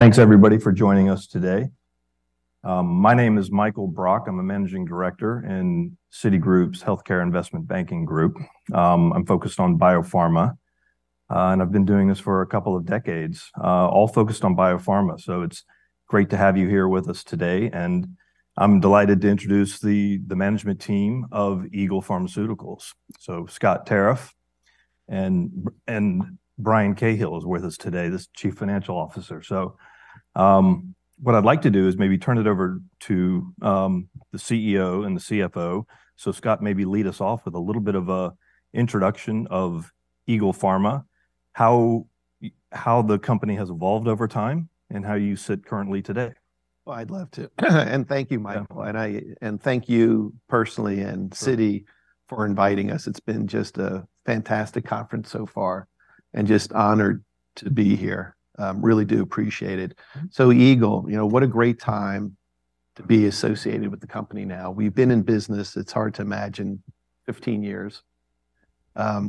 Thanks, everybody, for joining us today. My name is Michael Brock. I'm a managing director in Citigroup's Healthcare Investment Banking Group. I'm focused on biopharma, and I've been doing this for a couple of decades, all focused on biopharma. So it's great to have you here with us today, and I'm delighted to introduce the management team of Eagle Pharmaceuticals. So Scott Tarriff and Brian Cahill is with us today, the chief financial officer. So, what I'd like to do is maybe turn it over to the CEO and the CFO. So Scott, maybe lead us off with a little bit of a introduction of Eagle Pharma, how the company has evolved over time, and how you sit currently today. Well, I'd love to. And thank you, Michael. And I thank you personally and Citi for inviting us. It's been just a fantastic conference so far, and just honored to be here. I really do appreciate it. So Eagle, you know, what a great time to be associated with the company now. We've been in business, it's hard to imagine, 15 years.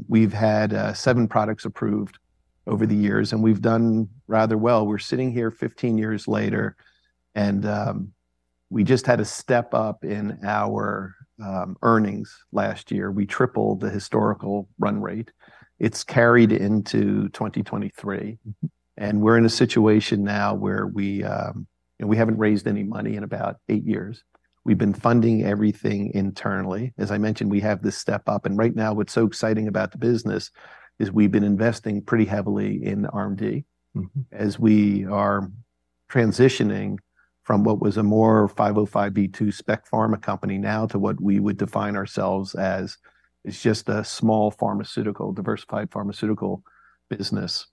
We've had seven products approved over the years, and we've done rather well. We're sitting here 15 years later, and we just had a step up in our earnings last year. We tripled the historical run rate. It's carried into 2023, and we're in a situation now where we, you know, we haven't raised any money in about 8 years. We've been funding everything internally. As I mentioned, we have this step up. Right now, what's so exciting about the business is we've been investing pretty heavily in R&D as we are transitioning from what was a more 505(b)(2) spec pharma company now to what we would define ourselves as—it's just a small pharmaceutical, diversified pharmaceutical business.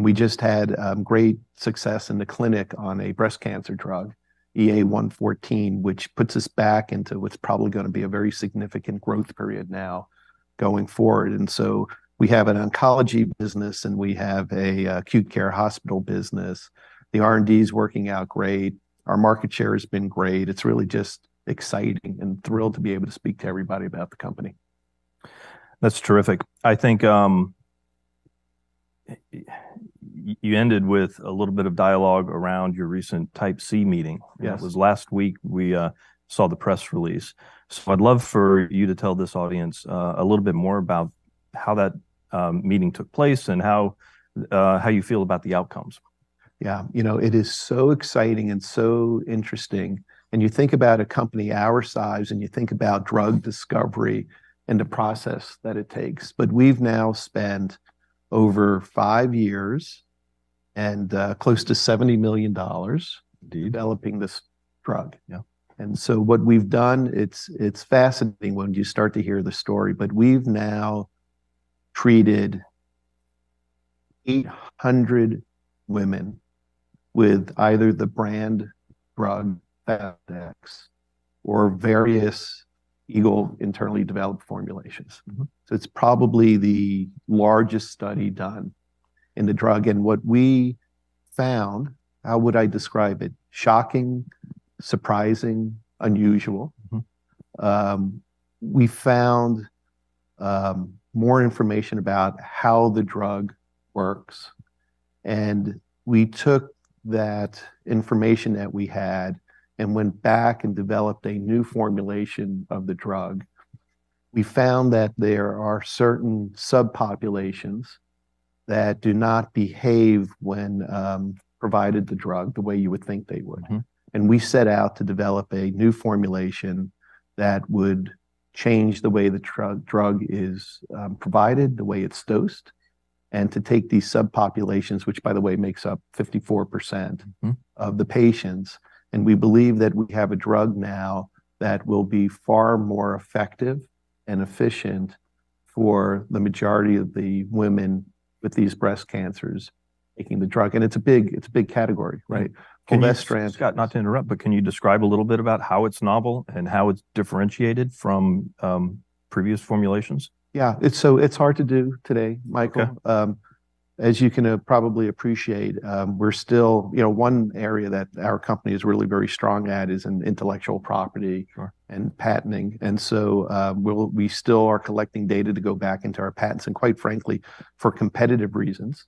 We just had great success in the clinic on a breast cancer drug, EA114, which puts us back into what's probably gonna be a very significant growth period now going forward. So we have an oncology business, and we have a acute care hospital business. The R&D's working out great. Our market share has been great. It's really just exciting and thrilled to be able to speak to everybody about the company. That's terrific. I think, you ended with a little bit of dialogue around your recent Type C meeting. Yes. That was last week we saw the press release. So I'd love for you to tell this audience a little bit more about how that meeting took place and how you feel about the outcomes. Yeah. You know, it is so exciting and so interesting. And you think about a company our size, and you think about drug discovery and the process that it takes. But we've now spent over five years and, close to $70 million. Indeed. Developing this drug. Yeah. And so what we've done, it's, it's fascinating when you start to hear the story, but we've now treated 800 women with either the brand drug Faslodex or various Eagle internally developed formulations. It's probably the largest study done in the drug. What we found, how would I describe it? Shocking, surprising, unusual. Mm-hmm. We found more information about how the drug works. We took that information that we had and went back and developed a new formulation of the drug. We found that there are certain subpopulations that do not behave when provided the drug the way you would think they would. Mm-hmm. We set out to develop a new formulation that would change the way the true drug is provided, the way it's dosed, and to take these subpopulations, which, by the way, makes up 54%. Mm-hmm. Of the patients. We believe that we have a drug now that will be far more effective and efficient for the majority of the women with these breast cancers taking the drug. And it's a big it's a big category, right? [inaudible] Can you, Scott, not to interrupt, but can you describe a little bit about how it's novel and how it's differentiated from previous formulations? Yeah. It's so it's hard to do today, Michael. Okay. As you can probably appreciate, we're still, you know, one area that our company is really very strong at is in intellectual property. Sure. Patenting. So, we still are collecting data to go back into our patents. And quite frankly, for competitive reasons,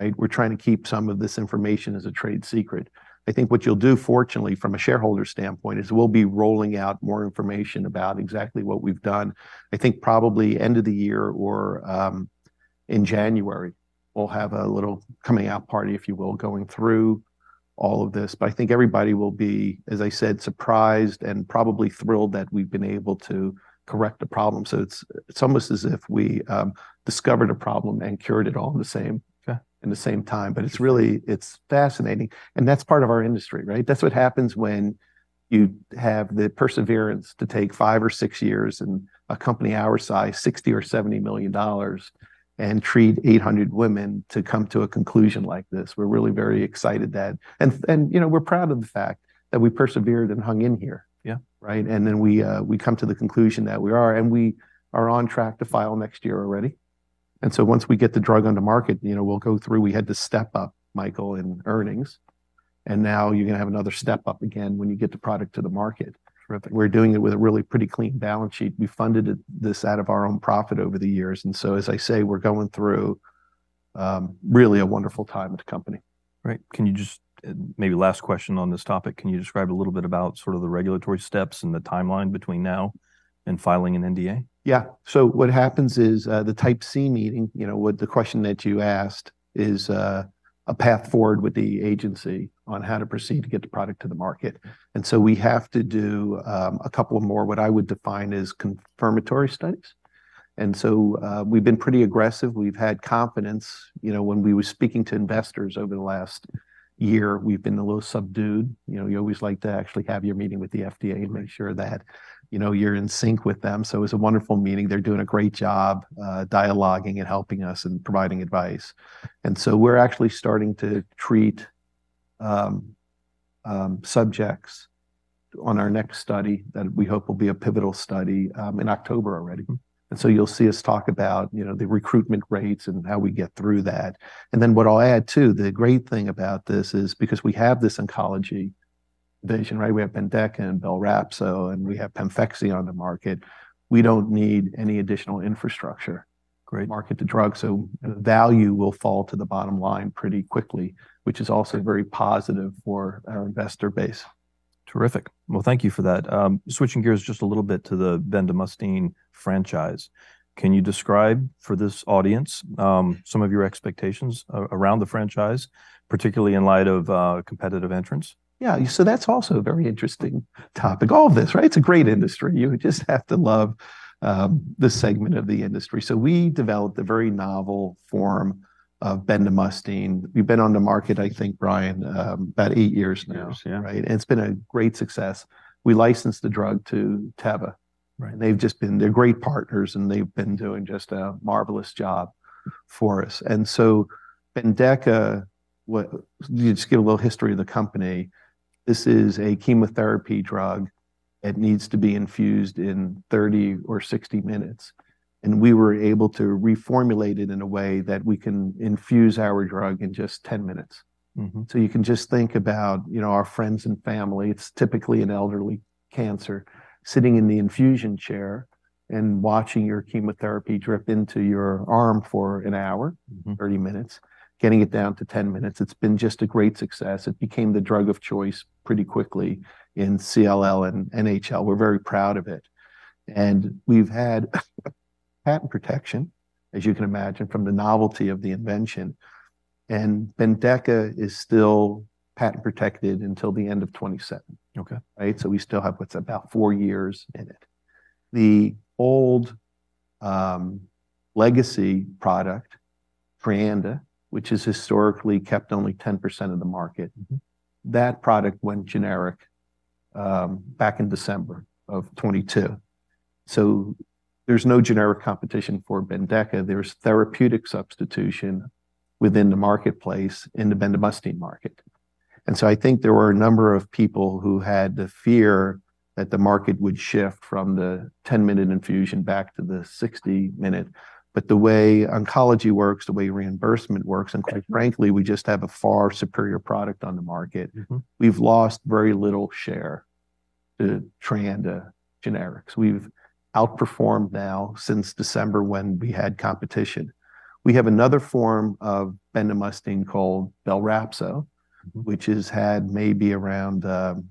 right, we're trying to keep some of this information as a trade secret. I think what you'll do, fortunately, from a shareholder standpoint, is we'll be rolling out more information about exactly what we've done. I think probably end of the year or in January, we'll have a little coming out party, if you will, going through all of this. But I think everybody will be, as I said, surprised and probably thrilled that we've been able to correct a problem. So it's almost as if we discovered a problem and cured it all in the same. Okay. In the same time. But it's really it's fascinating. And that's part of our industry, right? That's what happens when you have the perseverance to take 5 or 6 years in a company our size, $60-$70 million, and treat 800 women to come to a conclusion like this. We're really very excited that and, you know, we're proud of the fact that we persevered and hung in here. Yeah. Right? And then we come to the conclusion that we are on track to file next year already. And so once we get the drug onto market, you know, we'll go through. We had this step up, Michael, in earnings. And now you're gonna have another step up again when you get the product to the market. Terrific. We're doing it with a really pretty clean balance sheet. We funded it this way out of our own profits over the years. And so, as I say, we're going through really a wonderful time with the company. Right. Can you just, and maybe last question on this topic, can you describe a little bit about sort of the regulatory steps and the timeline between now and filing an NDA? Yeah. So what happens is, the Type C Meeting, you know, what the question that you asked is, a path forward with the agency on how to proceed to get the product to the market. And so we have to do a couple of more what I would define as confirmatory studies. And so, we've been pretty aggressive. We've had confidence. You know, when we were speaking to investors over the last year, we've been a little subdued. You know, you always like to actually have your meeting with the FDA and make sure that, you know, you're in sync with them. So it was a wonderful meeting. They're doing a great job, dialoging and helping us and providing advice. And so we're actually starting to treat subjects on our next study that we hope will be a pivotal study, in October already. Mm-hmm. So you'll see us talk about, you know, the recruitment rates and how we get through that. Then what I'll add too, the great thing about this is because we have this oncology vision, right? We have Bendeka and Belrapzo and we have PEMFEXY on the market. We don't need any additional infrastructure. Great. Market to drug. So value will fall to the bottom line pretty quickly, which is also very positive for our investor base. Terrific. Well, thank you for that. Switching gears just a little bit to the bendamustine franchise, can you describe for this audience some of your expectations around the franchise, particularly in light of competitive entrants? Yeah. So that's also a very interesting topic, all of this, right? It's a great industry. You just have to love, this segment of the industry. So we developed a very novel form of bendamustine. We've been on the market, I think, Brian, about eight years now. 8 years, yeah. Right? It's been a great success. We licensed the drug to Teva. Right. And they've just been. They're great partners, and they've been doing just a marvelous job for us. So Bendeka, what you just give a little history of the company. This is a chemotherapy drug. It needs to be infused in 30 or 60 minutes. And we were able to reformulate it in a way that we can infuse our drug in just 10 minutes. Mm-hmm. You can just think about, you know, our friends and family. It's typically an elderly cancer sitting in the infusion chair and watching your chemotherapy drip into your arm for an hour. Mm-hmm. 30 minutes, getting it down to 10 minutes. It's been just a great success. It became the drug of choice pretty quickly in CLL and NHL. We're very proud of it. We've had patent protection, as you can imagine, from the novelty of the invention. Bendeka is still patent protected until the end of 2027. Okay. Right? So we still have what's about 4 years in it. The old, legacy product, Treanda, which is historically kept only 10% of the market. That product went generic, back in December of 2022. So there's no generic competition for Bendeka. There's therapeutic substitution within the marketplace in the Bendamustine market. And so I think there were a number of people who had the fear that the market would shift from the 10-minute infusion back to the 60-minute. But the way oncology works, the way reimbursement works, and quite frankly, we just have a far superior product on the market. We've lost very little share to Treanda generics. We've outperformed now since December when we had competition. We have another form of Bendamustine called Belrapzo. Which has had maybe around 8%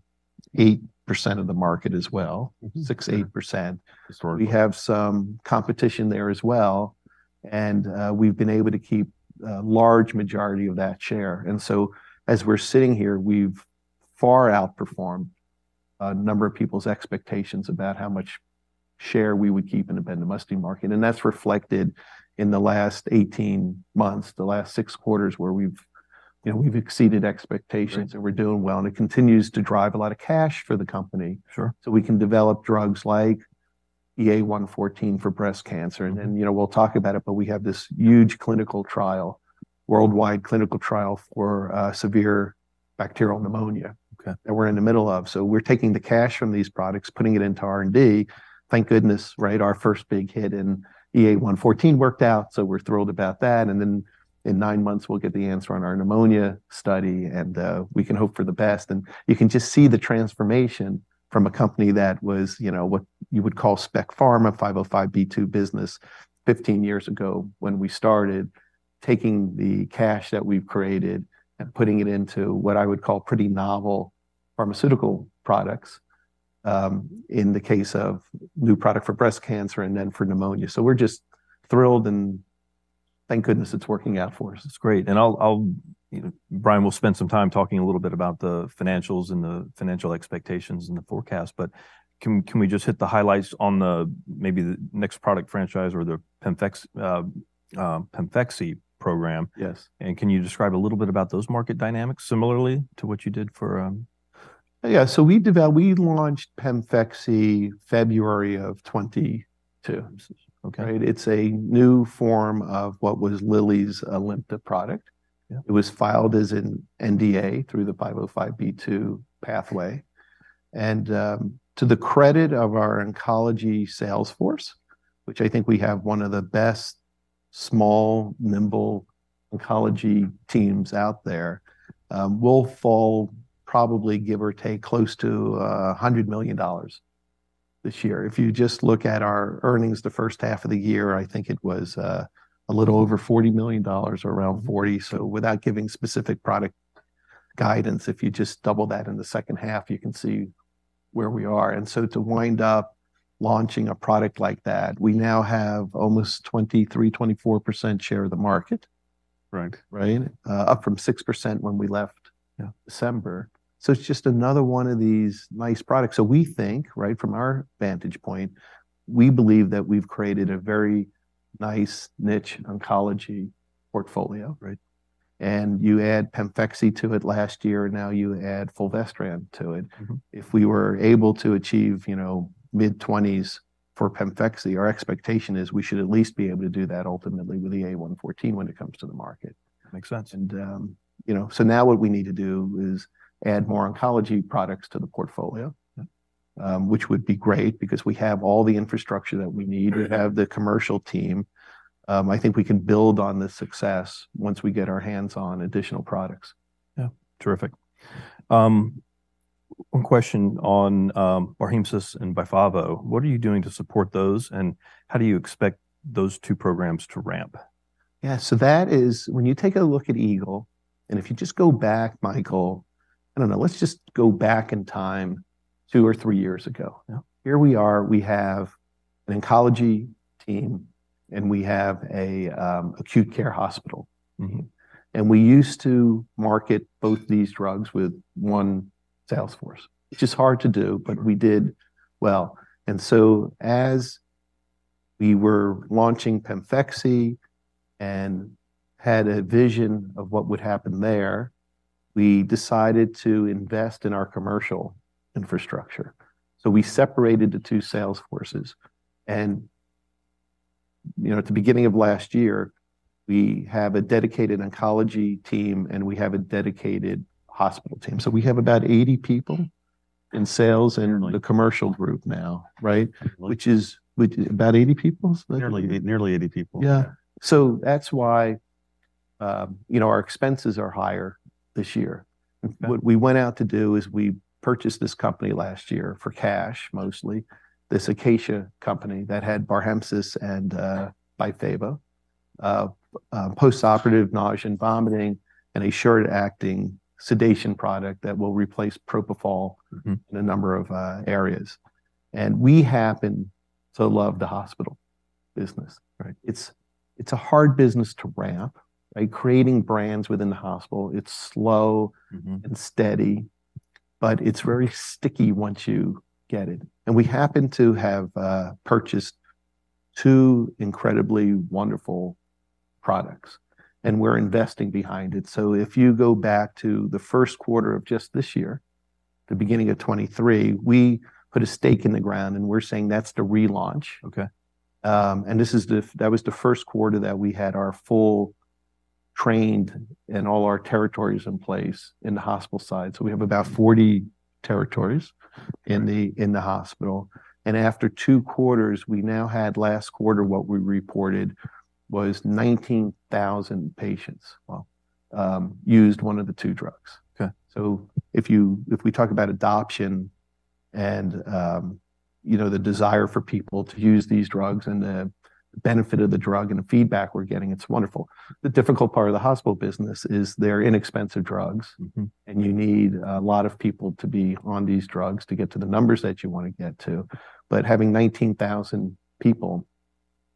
of the market as well 6 to 8%. Historically. We have some competition there as well. We've been able to keep a large majority of that share. So as we're sitting here, we've far outperformed a number of people's expectations about how much share we would keep in the Bendamustine market. That's reflected in the last 18 months, the last 6 quarters where we've, you know, we've exceeded expectations. Right. We're doing well. It continues to drive a lot of cash for the company. Sure. So we can develop drugs like EA114 for breast cancer. And then, you know, we'll talk about it, but we have this huge clinical trial, worldwide clinical trial for severe bacterial pneumonia. Okay. That we're in the middle of. So we're taking the cash from these products, putting it into R&D. Thank goodness, right, our first big hit in EA114 worked out. So we're thrilled about that. And then in nine months, we'll get the answer on our pneumonia study, and we can hope for the best. And you can just see the transformation from a company that was, you know, what you would call spec pharma, 505(b)(2) business 15 years ago when we started, taking the cash that we've created and putting it into what I would call pretty novel pharmaceutical products, in the case of new product for breast cancer and then for pneumonia. So we're just thrilled. And thank goodness it's working out for us. It's great. And I'll, I'll you know, Brian will spend some time talking a little bit about the financials and the financial expectations and the forecast. But can, can we just hit the highlights on the maybe the next product franchise or the PEMFEXY program? Yes. Can you describe a little bit about those market dynamics, similarly to what you did for? Yeah. So we launched PEMFEXY February of 2022. Okay. Right? It's a new form of what was Lilly's Alimta product. Yeah. It was filed as an NDA through the 505(b)(2) pathway. And, to the credit of our oncology salesforce, which I think we have one of the best small, nimble oncology teams out there, we'll fall probably, give or take, close to, $100 million this year. If you just look at our earnings the first half of the year, I think it was, a little over $40 million or around 40. So without giving specific product guidance, if you just double that in the second half, you can see where we are. And so to wind up launching a product like that, we now have almost 23%-24% share of the market. Right. Right? Up from 6% when we left. Yeah. December. So it's just another one of these nice products. So we think, right, from our vantage point, we believe that we've created a very nice niche oncology portfolio, right? And you add PEMFEXY to it last year, and now you add fulvestrant to it. Mm-hmm. If we were able to achieve, you know, mid-20s for PEMFEXY, our expectation is we should at least be able to do that ultimately with EA114 when it comes to the market. Makes sense. You know, so now what we need to do is add more oncology products to the portfolio. Yeah. which would be great because we have all the infrastructure that we need. We have the commercial team. I think we can build on the success once we get our hands on additional products. Yeah. Terrific. One question on Barhemsys and Byfavo. What are you doing to support those, and how do you expect those two programs to ramp? Yeah. So that is when you take a look at Eagle, and if you just go back, Michael, I don't know, let's just go back in time 2 or 3 years ago. Yeah. Here we are. We have an oncology team, and we have an acute care hospital. Mm-hmm. And we used to market both these drugs with one salesforce. It's just hard to do, but we did well. And so as we were launching PEMFEXY and had a vision of what would happen there, we decided to invest in our commercial infrastructure. So we separated the two salesforces. And, you know, at the beginning of last year, we have a dedicated oncology team, and we have a dedicated hospital team. So we have about 80 people in sales and. Nearly. The commercial group now, right? Nearly. Which is about 80 people? Nearly 80 people. Yeah. So that's why, you know, our expenses are higher this year. Okay. What we went out to do is we purchased this company last year for cash, mostly, this Acacia company that had Barhemsys and Byfavo, postoperative nausea and vomiting and a short-acting sedation product that will replace propofol. Mm-hmm. In a number of areas. We happen to love the hospital business, right? It's a hard business to ramp, right, creating brands within the hospital. It's slow. Mm-hmm. And steady, but it's very sticky once you get it. And we happen to have purchased two incredibly wonderful products, and we're investing behind it. So if you go back to the Q1 of just this year, the beginning of 2023, we put a stake in the ground, and we're saying that's the relaunch. Okay. That was the Q1 that we had our full trained and all our territories in place in the hospital side. So we have about 40 territories in the hospital. After two quarters, we now had last quarter what we reported was 19,000 patients well used one of the two drugs. Okay. If we talk about adoption and, you know, the desire for people to use these drugs and the benefit of the drug and the feedback we're getting, it's wonderful. The difficult part of the hospital business is they're inexpensive drugs. Mm-hmm. You need a lot of people to be on these drugs to get to the numbers that you wanna get to. Having 19,000 people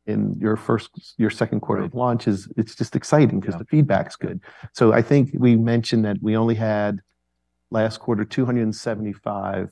in your first or Q2 of launch it's just exciting 'cause the feedback's good. Yeah. I think we mentioned that we only had last quarter 275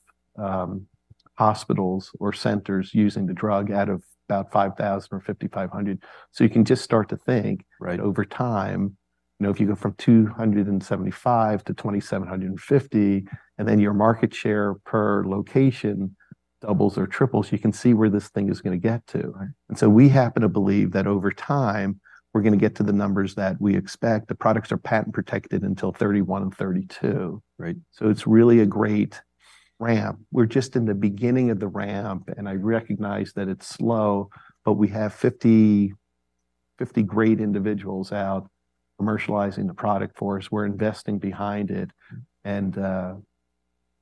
hospitals or centers using the drug out of about 5,000 or 5,500. So you can just start to think. Right. That over time, you know, if you go from 275 to 2,750, and then your market share per location doubles or triples, you can see where this thing is gonna get to, right? And so we happen to believe that over time, we're gonna get to the numbers that we expect. The products are patent protected until 2031 and 2032, right? So it's really a great ramp. We're just in the beginning of the ramp, and I recognize that it's slow, but we have 50, 50 great individuals out commercializing the product for us. We're investing behind it. Mm-hmm.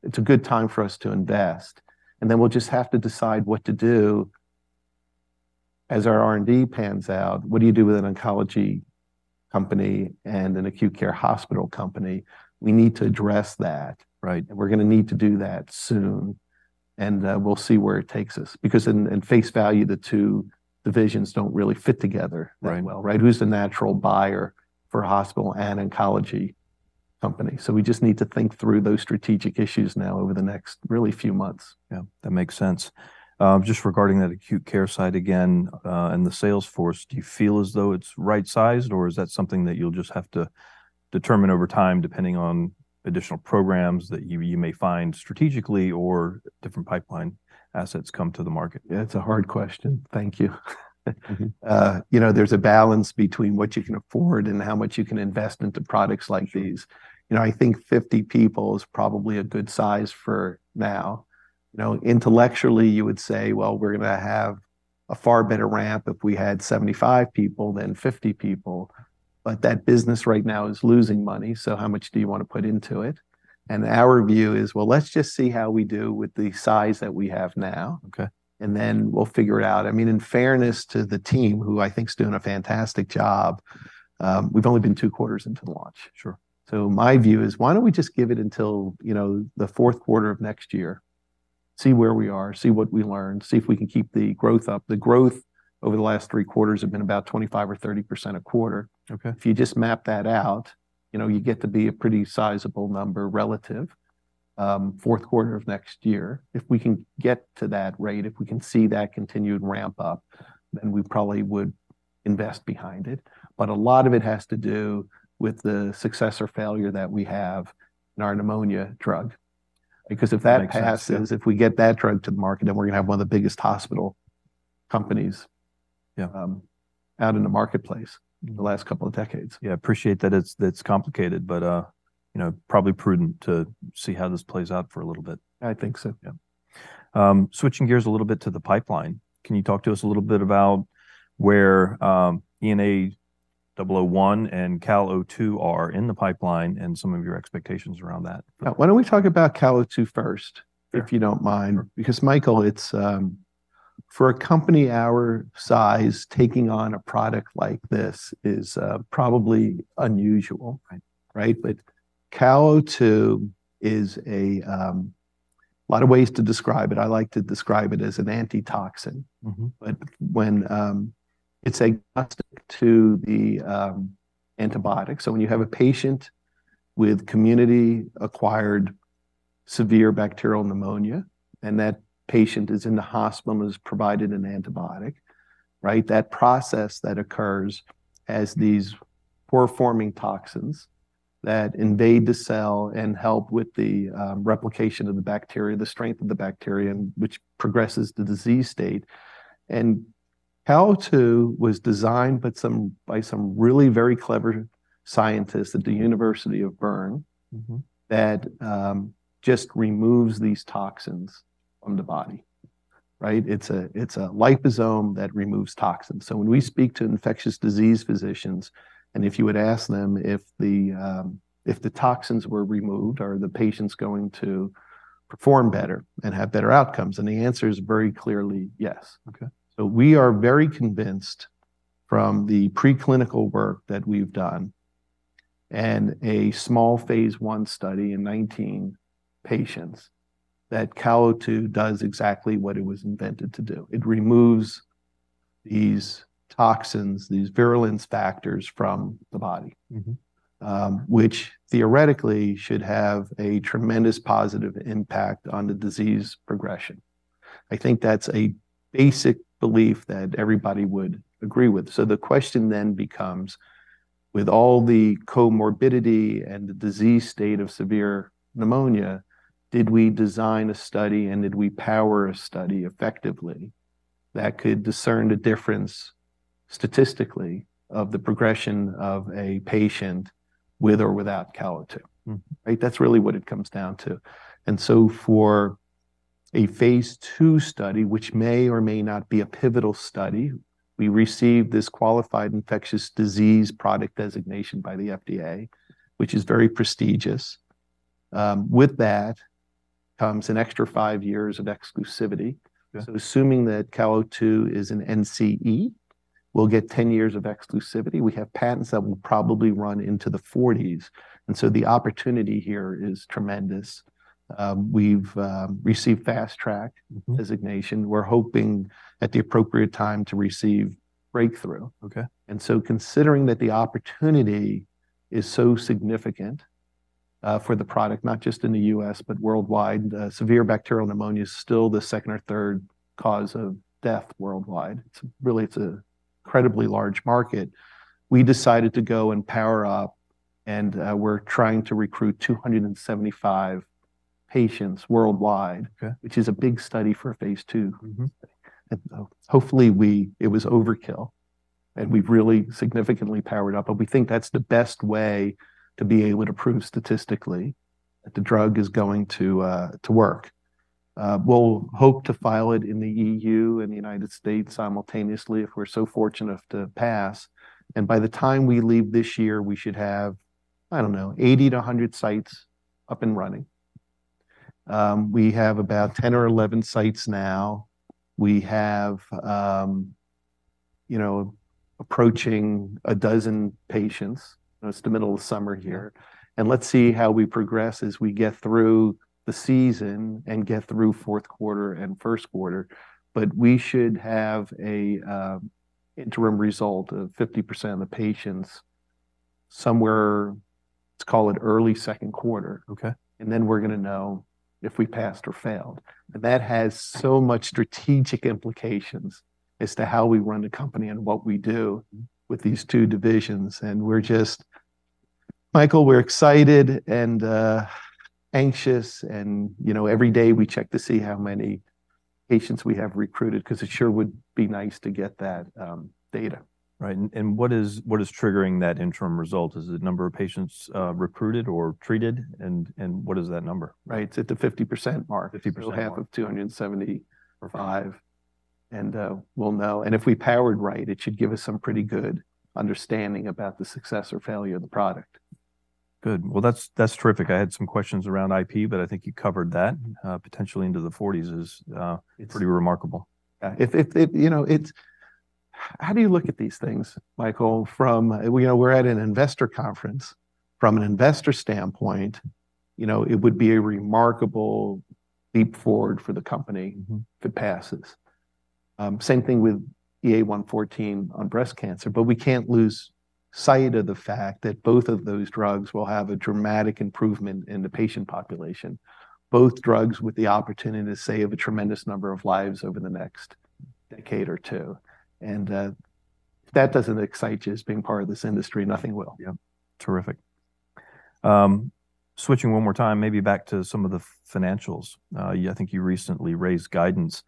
It's a good time for us to invest. Then we'll just have to decide what to do as our R&D pans out. What do you do with an oncology company and an acute care hospital company? We need to address that, right? We're gonna need to do that soon. We'll see where it takes us because at face value, the two divisions don't really fit together that well. Right. Right? Who's the natural buyer for hospital and oncology company? So we just need to think through those strategic issues now over the next really few months. Yeah. That makes sense. Just regarding that Acute Care side again, and the sales force, do you feel as though it's right-sized, or is that something that you'll just have to determine over time depending on additional programs that you may find strategically or different pipeline assets come to the market? Yeah. It's a hard question. Thank you. Mm-hmm. You know, there's a balance between what you can afford and how much you can invest into products like these. You know, I think 50 people is probably a good size for now. You know, intellectually, you would say, "Well, we're gonna have a far better ramp if we had 75 people than 50 people." But that business right now is losing money. So how much do you wanna put into it? And our view is, "Well, let's just see how we do with the size that we have now. Okay. And then we'll figure it out. I mean, in fairness to the team, who I think's doing a fantastic job, we've only been two quarters into the launch. Sure. My view is, why don't we just give it until, you know, the Q4 of next year, see where we are, see what we learn, see if we can keep the growth up. The growth over the last three quarters has been about 25% or 30% a quarter. Okay. If you just map that out, you know, you get to be a pretty sizable number relative, Q4 of next year. If we can get to that rate, if we can see that continued ramp up, then we probably would invest behind it. But a lot of it has to do with the success or failure that we have in our pneumonia drug because if that passes. Okay. If we get that drug to the market, then we're gonna have one of the biggest hospital companies. Yeah. out in the marketplace in the last couple of decades. Yeah. Appreciate that it's that complicated, but, you know, probably prudent to see how this plays out for a little bit. I think so. Yeah. Switching gears a little bit to the pipeline, can you talk to us a little bit about where ENA-001 and CAL02 are in the pipeline and some of your expectations around that? Yeah. Why don't we talk about CAL02 first. Sure. If you don't mind. Because, Michael, it's for a company our size, taking on a product like this is probably unusual. Right. Right? But CAL02 is a lot of ways to describe it. I like to describe it as an antitoxin. Mm-hmm. But when it's agnostic to the antibiotic. So when you have a patient with community-acquired severe bacterial pneumonia, and that patient is in the hospital and is provided an antibiotic, right, that process that occurs as these pore-forming toxins that invade the cell and help with the replication of the bacteria, the strength of the bacteria, and which progresses the disease state. And CAL02 was designed by some really very clever scientists at the University of Bern. Mm-hmm. That just removes these toxins from the body, right? It's a liposome that removes toxins. So when we speak to infectious disease physicians, and if you would ask them if the toxins were removed, are the patients going to perform better and have better outcomes? And the answer is very clearly yes. Okay. So we are very convinced from the preclinical work that we've done and a small phase I study in 19 patients that CAL02 does exactly what it was invented to do. It removes these toxins, these virulence factors from the body. Mm-hmm. which theoretically should have a tremendous positive impact on the disease progression. I think that's a basic belief that everybody would agree with. So the question then becomes, with all the comorbidity and the disease state of severe pneumonia, did we design a study, and did we power a study effectively that could discern the difference statistically of the progression of a patient with or without CAL02? Mm-hmm. Right? That's really what it comes down to. And so for a phase II study, which may or may not be a pivotal study, we receive this Qualified Infectious Disease Product designation by the FDA, which is very prestigious. With that comes an extra five years of exclusivity. Yeah. So assuming that CAL02 is an NCE, we'll get 10 years of exclusivity. We have patents that will probably run into the 40s. And so the opportunity here is tremendous. We've received fast track. Mm-hmm. Designation. We're hoping at the appropriate time to receive breakthrough. Okay. Considering that the opportunity is so significant for the product, not just in the U.S. but worldwide, severe bacterial pneumonia's still the second or third cause of death worldwide. It's a really incredibly large market. We decided to go and power up, and we're trying to recruit 275 patients worldwide. Okay. Which is a big study for a phase II. Mm-hmm. And so hopefully, we it was overkill, and we've really significantly powered up. But we think that's the best way to be able to prove statistically that the drug is going to to work. We'll hope to file it in the EU and the United States simultaneously if we're so fortunate enough to pass. And by the time we leave this year, we should have, I don't know, 80-100 sites up and running. We have about 10 or 11 sites now. We have, you know, approaching a dozen patients. You know, it's the middle of summer here. Okay. Let's see how we progress as we get through the season and get through Q4 and Q1. But we should have an interim result of 50% of the patients somewhere, let's call it early Q2. Okay. Then we're gonna know if we passed or failed. That has so much strategic implications as to how we run the company and what we do with these two divisions. We're just, Michael, we're excited and anxious. You know, every day we check to see how many patients we have recruited 'cause it sure would be nice to get that data. Right. And what is triggering that interim result? Is it number of patients, recruited or treated? And what is that number? Right. It's at the 50% mark. 50% mark. We'll have of 275. We'll know. And if we powered right, it should give us some pretty good understanding about the success or failure of the product. Good. Well, that's, that's terrific. I had some questions around IP, but I think you covered that, potentially into the 40s is pretty remarkable. It's, yeah. If you know, it's how do you look at these things, Michael, from, you know, we're at an investor conference. From an investor standpoint, you know, it would be a remarkable leap forward for the company. Mm-hmm. If it passes. Same thing with EA114 on breast cancer. But we can't lose sight of the fact that both of those drugs will have a dramatic improvement in the patient population, both drugs with the opportunity, say, of a tremendous number of lives over the next decade or two. And, if that doesn't excite you as being part of this industry, nothing will. Yeah. Terrific. Switching one more time, maybe back to some of the financials. You I think you recently raised guidance.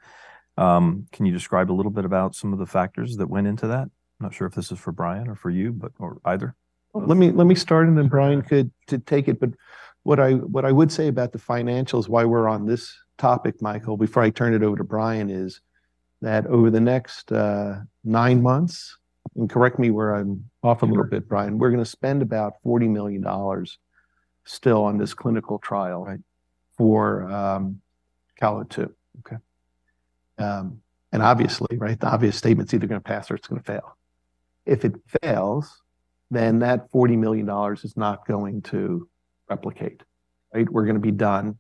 Can you describe a little bit about some of the factors that went into that? I'm not sure if this is for Brian or for you, but or either. Well, let me start, and then Brian could take it. But what I would say about the financials, why we're on this topic, Michael, before I turn it over to Brian is that over the next nine months and correct me where I'm off a little bit, Brian. Mm-hmm. We're gonna spend about $40 million still on this clinical trial. Right. For, CalO2. Okay. And obviously, right, the obvious statement's either gonna pass or it's gonna fail. If it fails, then that $40 million is not going to replicate, right? We're gonna be done.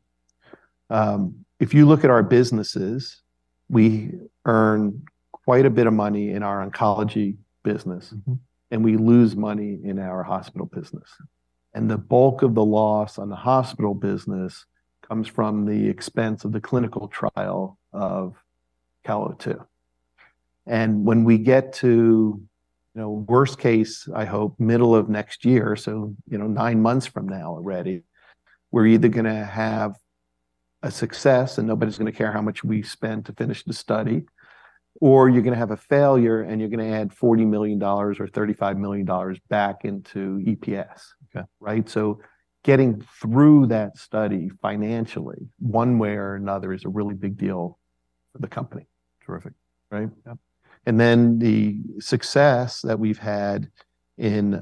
If you look at our businesses, we earn quite a bit of money in our oncology business. We lose money in our hospital business. And the bulk of the loss on the hospital business comes from the expense of the clinical trial of CAL02. And when we get to, you know, worst case, I hope, middle of next year, so, you know, 9 months from now already, we're either gonna have a success, and nobody's gonna care how much we spend to finish the study, or you're gonna have a failure, and you're gonna add $40 million or $35 million back into EPS. Okay. Right? So getting through that study financially, one way or another, is a really big deal for the company. Terrific. Right? Yeah. The success that we've had in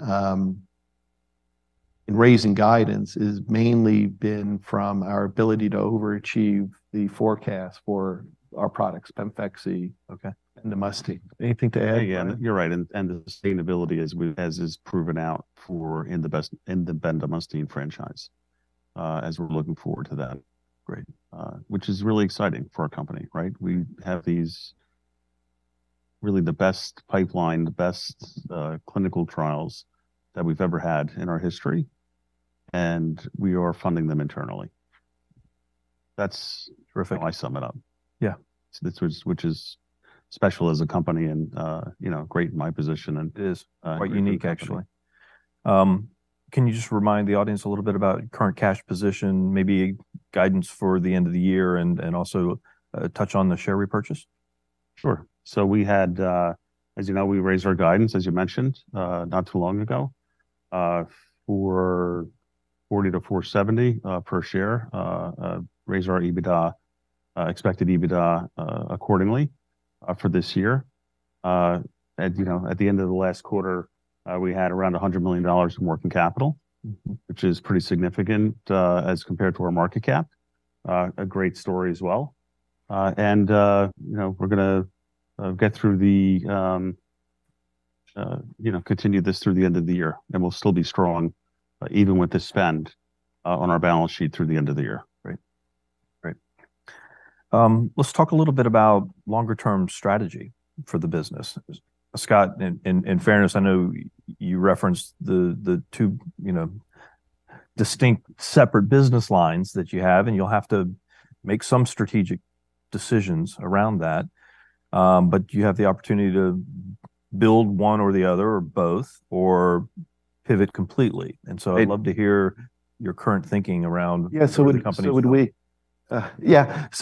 raising guidance has mainly been from our ability to overachieve the forecast for our products, PEMFEXY. Okay. Bendamustine. Anything to add? Yeah. You're right. And the sustainability as we as is proven out for in the best in the Bendamustine franchise, as we're looking forward to that. Great. which is really exciting for our company, right? We have these really the best pipeline, the best clinical trials that we've ever had in our history, and we are funding them internally. That's. Terrific. How I sum it up. Yeah. So this, which is special as a company and, you know, great in my position and is interesting. Quite unique, actually. Can you just remind the audience a little bit about current cash position, maybe guidance for the end of the year, and, and also, touch on the share repurchase? Sure. So we had, as you know, we raised our guidance, as you mentioned, not too long ago, for $4.00-$4.70 per share, raised our expected EBITDA for this year. At, you know, at the end of the last quarter, we had around $100 million in working capital. Which is pretty significant, as compared to our market cap. A great story as well. And, you know, we're gonna get through the, you know, continue this through the end of the year. And we'll still be strong, even with the spend on our balance sheet through the end of the year, right? Great. Let's talk a little bit about longer-term strategy for the business. Scott, in fairness, I know you referenced the two, you know, distinct separate business lines that you have, and you'll have to make some strategic decisions around that. But you have the opportunity to build one or the other or both or pivot completely. And so. It. I'd love to hear your current thinking around. Yeah. So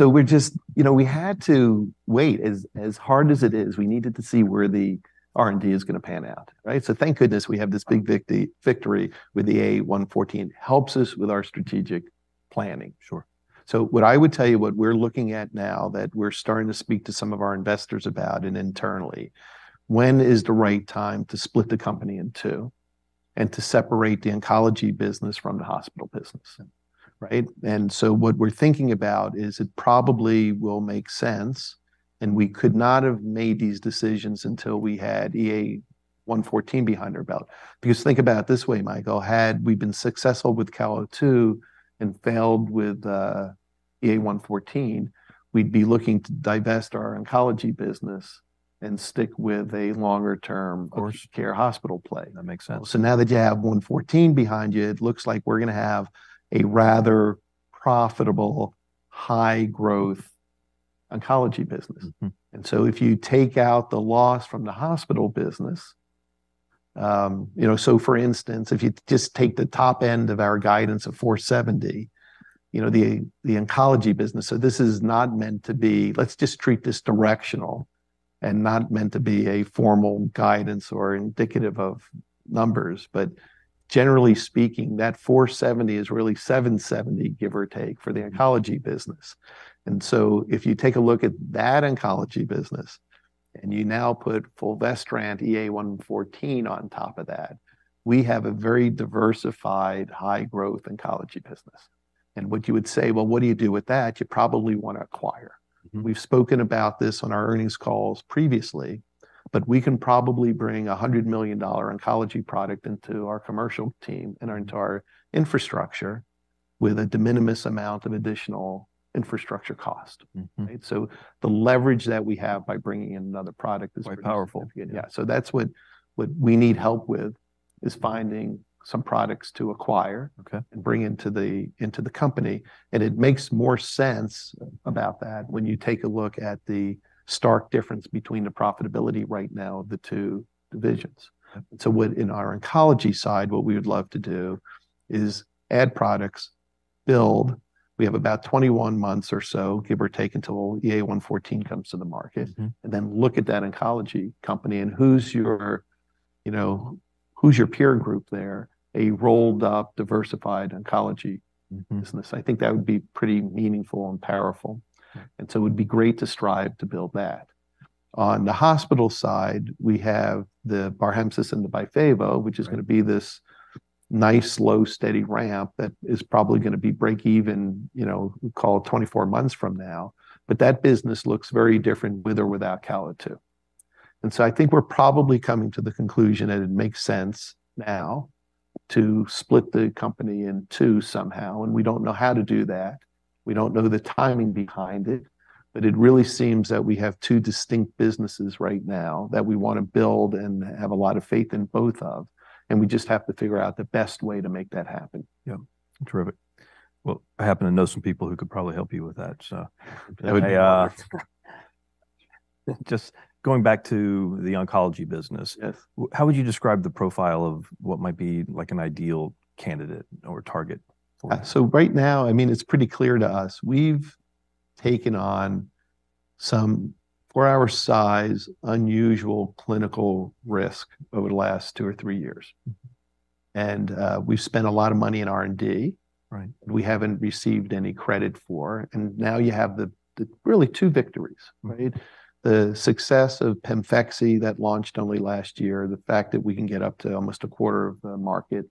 we're just, you know, we had to wait. As hard as it is, we needed to see where the R&D is gonna pan out, right? So thank goodness we have this big victory with the EA114. It helps us with our strategic planning. Sure. So what I would tell you, what we're looking at now that we're starting to speak to some of our investors about and internally, when is the right time to split the company in two and to separate the oncology business from the hospital business, right? And so what we're thinking about is it probably will make sense, and we could not have made these decisions until we had EA-114 behind our belt. Because think about it this way, Michael. Had we been successful with CAL02 and failed with EA-114, we'd be looking to divest our oncology business and stick with a longer-term. Of course. Care hospital play. That makes sense. Now that you have 114 behind you, it looks like we're gonna have a rather profitable, high-growth oncology business. And so if you take out the loss from the hospital business, you know, so for instance, if you just take the top end of our guidance of $470, you know, the oncology business so this is not meant to be; let's just treat this directional and not meant to be a formal guidance or indicative of numbers. But generally speaking, that $470 is really $770, give or take, for the oncology business. And so if you take a look at that oncology business and you now put Fulvestrant EA114 on top of that, we have a very diversified, high-growth oncology business. And what you would say, "Well, what do you do with that?" You probably wanna acquire. Mm-hmm. We've spoken about this on our earnings calls previously, but we can probably bring a $100 million oncology product into our commercial team and into our infrastructure with a de minimis amount of additional infrastructure cost, right? So the leverage that we have by bringing in another product is pretty significant. Quite powerful. Yeah. So that's what we need help with is finding some products to acquire. Okay. Bring into the company. It makes more sense about that when you take a look at the stark difference between the profitability right now of the two divisions. Yeah. And so what in our oncology side, what we would love to do is add products, build. We have about 21 months or so, give or take, until EA114 comes to the market. Mm-hmm. And then look at that oncology company and who's your, you know, who's your peer group there, a rolled-up, diversified oncology. Mm-hmm. Business. I think that would be pretty meaningful and powerful. And so it would be great to strive to build that. On the hospital side, we have the Barhemsys and the Byfavo, which is gonna be this nice, slow, steady ramp that is probably gonna be break-even, you know, call it 24 months from now. But that business looks very different with or without CAL02. And so I think we're probably coming to the conclusion that it makes sense now to split the company in two somehow. And we don't know how to do that. We don't know the timing behind it. But it really seems that we have two distinct businesses right now that we wanna build and have a lot of faith in both of. And we just have to figure out the best way to make that happen. Yeah. Terrific. Well, I happen to know some people who could probably help you with that, so. Okay. I just going back to the oncology business. Yes. How would you describe the profile of what might be like an ideal candidate or target for us? Right now, I mean, it's pretty clear to us. We've taken on some for our size, unusual clinical risk over the last two or three years. Mm-hmm. We've spent a lot of money in R&D. Right. We haven't received any credit for. And now you have the really two victories, right? The success of PEMFEXY that launched only last year, the fact that we can get up to almost a quarter of the market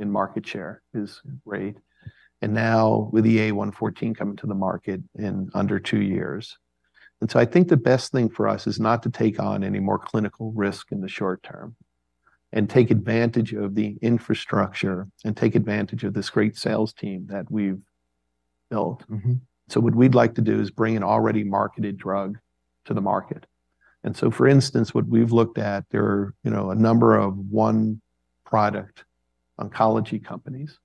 in market share is great. And now with EA114 coming to the market in under two years. And so I think the best thing for us is not to take on any more clinical risk in the short term and take advantage of the infrastructure and take advantage of this great sales team that we've built. Mm-hmm. So what we'd like to do is bring an already marketed drug to the market. And so for instance, what we've looked at, there are, you know, a number of one-product oncology companies.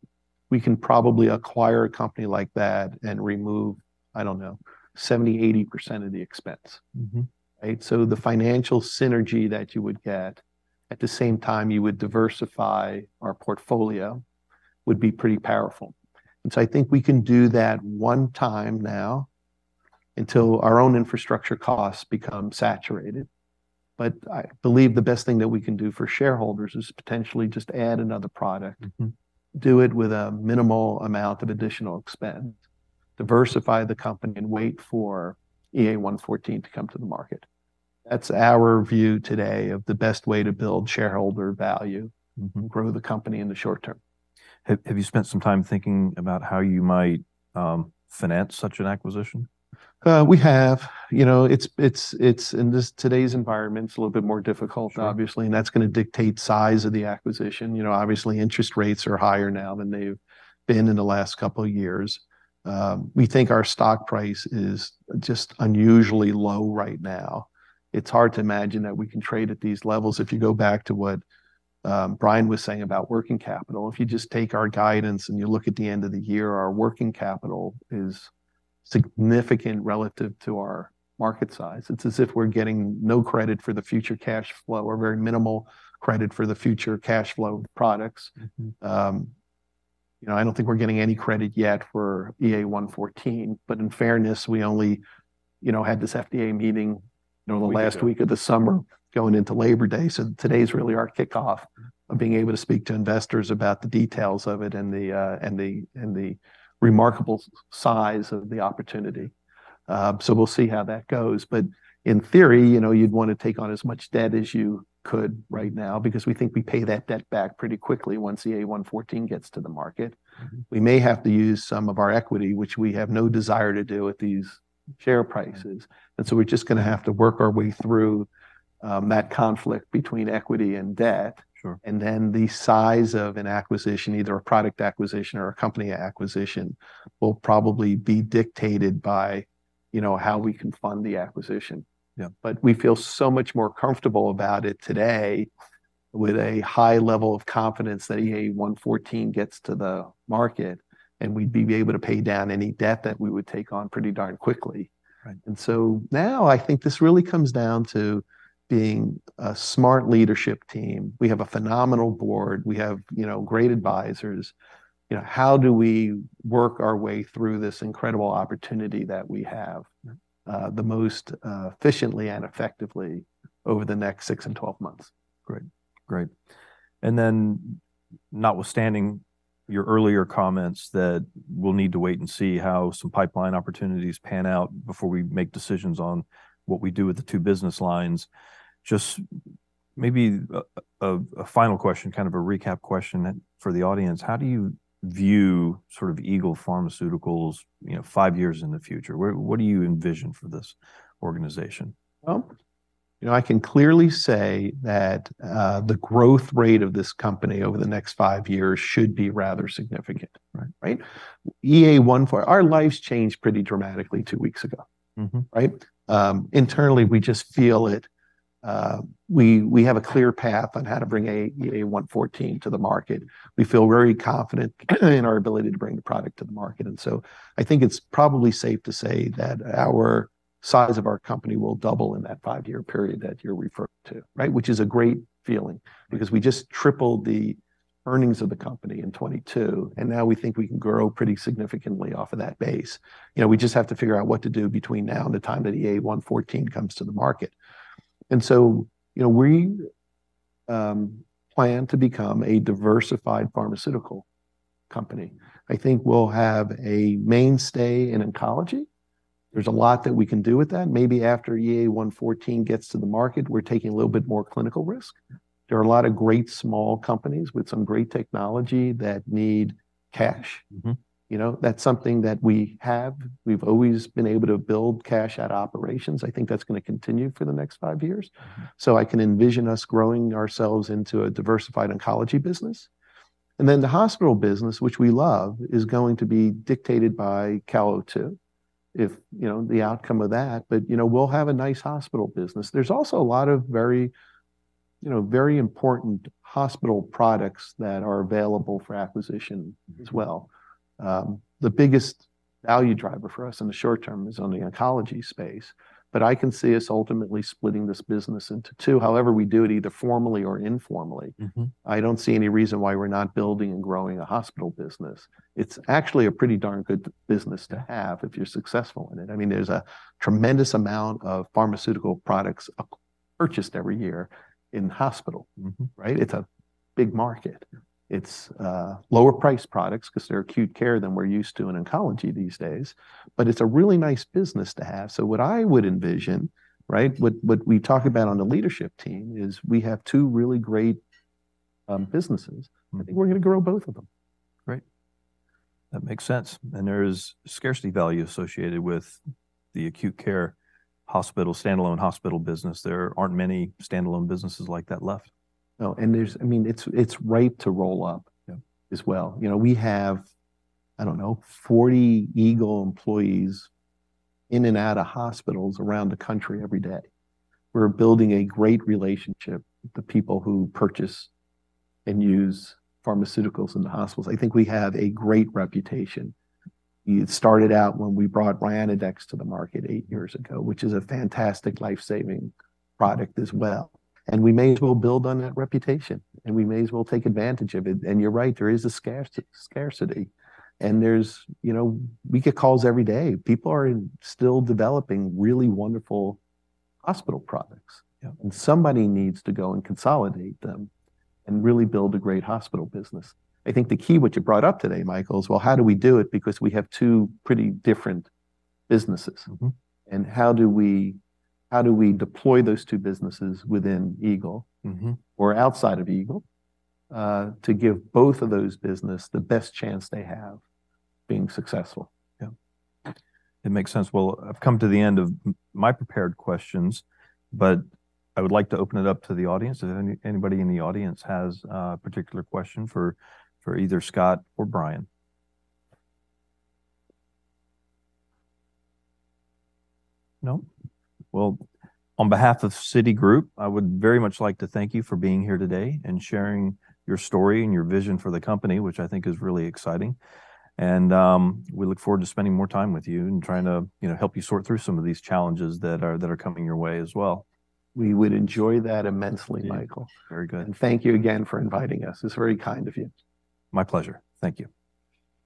We can probably acquire a company like that and remove, I don't know, 70%-80% of the expense. Mm-hmm. Right? So the financial synergy that you would get at the same time you would diversify our portfolio would be pretty powerful. And so I think we can do that one time now until our own infrastructure costs become saturated. But I believe the best thing that we can do for shareholders is potentially just add another product. Mm-hmm. Do it with a minimal amount of additional expense, diversify the company, and wait for EA114 to come to the market. That's our view today of the best way to build shareholder value. Mm-hmm. Grow the company in the short term. Have you spent some time thinking about how you might finance such an acquisition? We have. You know, it's in this today's environment. It's a little bit more difficult, obviously. That's gonna dictate size of the acquisition. You know, obviously, interest rates are higher now than they've been in the last couple of years. We think our stock price is just unusually low right now. It's hard to imagine that we can trade at these levels. If you go back to what Brian was saying about working capital, if you just take our guidance and you look at the end of the year, our working capital is significant relative to our market size. It's as if we're getting no credit for the future cash flow or very minimal credit for the future cash flow products. Mm-hmm. You know, I don't think we're getting any credit yet for EA114. But in fairness, we only, you know, had this FDA meeting, you know, the last week of the summer. Terrific. Going into Labor Day. So today's really our kickoff of being able to speak to investors about the details of it and the remarkable size of the opportunity. So we'll see how that goes. But in theory, you know, you'd wanna take on as much debt as you could right now because we think we pay that debt back pretty quickly once EA114 gets to the market. Mm-hmm. We may have to use some of our equity, which we have no desire to do at these share prices. And so we're just gonna have to work our way through, that conflict between equity and debt. Sure. And then the size of an acquisition, either a product acquisition or a company acquisition, will probably be dictated by, you know, how we can fund the acquisition. Yeah. But we feel so much more comfortable about it today with a high level of confidence that EA114 gets to the market, and we'd be able to pay down any debt that we would take on pretty darn quickly. Right. And so now, I think this really comes down to being a smart leadership team. We have a phenomenal board. We have, you know, great advisors. You know, how do we work our way through this incredible opportunity that we have, the most, efficiently and effectively over the next 6 and 12 months? Great. Great. Then, notwithstanding your earlier comments that we'll need to wait and see how some pipeline opportunities pan out before we make decisions on what we do with the two business lines, just maybe a final question, kind of a recap question for the audience. How do you view sort of Eagle Pharmaceuticals, you know, five years in the future? Where, what do you envision for this organization? Well, you know, I can clearly say that, the growth rate of this company over the next five years should be rather significant, right? Right. EA114, our lives changed pretty dramatically two weeks ago. Mm-hmm. Right? Internally, we just feel it. We have a clear path on how to bring a EA114 to the market. We feel very confident in our ability to bring the product to the market. And so I think it's probably safe to say that our size of our company will double in that five-year period that you're referring to, right? Mm-hmm. Which is a great feeling because we just tripled the earnings of the company in 2022. Now we think we can grow pretty significantly off of that base. You know, we just have to figure out what to do between now and the time that EA114 comes to the market. So, you know, we plan to become a diversified pharmaceutical company. I think we'll have a mainstay in oncology. There's a lot that we can do with that. Maybe after EA114 gets to the market, we're taking a little bit more clinical risk. There are a lot of great small companies with some great technology that need cash. Mm-hmm. You know, that's something that we have. We've always been able to build cash at operations. I think that's gonna continue for the next five years. So I can envision us growing ourselves into a diversified oncology business. And then the hospital business, which we love, is going to be dictated by CAL02 if, you know, the outcome of that. But, you know, we'll have a nice hospital business. There's also a lot of very, you know, very important hospital products that are available for acquisition as well. Mm-hmm. The biggest value driver for us in the short term is on the oncology space. But I can see us ultimately splitting this business into two. However, we do it either formally or informally. Mm-hmm. I don't see any reason why we're not building and growing a hospital business. It's actually a pretty darn good business to have if you're successful in it. I mean, there's a tremendous amount of pharmaceutical products purchased every year in hospital. Mm-hmm. Right? It's a big market. It's lower-priced products 'cause they're acute care than we're used to in oncology these days. But it's a really nice business to have. So what I would envision, right, what, what we talk about on the leadership team is we have two really great businesses. Mm-hmm. I think we're gonna grow both of them. Great. That makes sense. There is scarcity value associated with the acute care hospital, standalone hospital business. There aren't many standalone businesses like that left. Oh, and there's. I mean, it's ripe to roll up. Yeah. As well. You know, we have, I don't know, 40 Eagle employees in and out of hospitals around the country every day. We're building a great relationship with the people who purchase and use pharmaceuticals in the hospitals. I think we have a great reputation. It started out when we brought Ryanodex to the market 8 years ago, which is a fantastic lifesaving product as well. And we may as well build on that reputation. And we may as well take advantage of it. And you're right. There is a scarcity. And there's, you know, we get calls every day. People are in still developing really wonderful hospital products. Yeah. Somebody needs to go and consolidate them and really build a great hospital business. I think the key, which you brought up today, Michael, is, well, how do we do it because we have two pretty different businesses. Mm-hmm. How do we deploy those two businesses within Eagle? Mm-hmm. Or outside of Eagle, to give both of those businesses the best chance they have of being successful? Yeah. It makes sense. Well, I've come to the end of my prepared questions, but I would like to open it up to the audience. If anybody in the audience has a particular question for either Scott or Brian? No? Well, on behalf of Citi, I would very much like to thank you for being here today and sharing your story and your vision for the company, which I think is really exciting. We look forward to spending more time with you and trying to, you know, help you sort through some of these challenges that are coming your way as well. We would enjoy that immensely, Michael. Very good. Thank you again for inviting us. It's very kind of you. My pleasure. Thank you.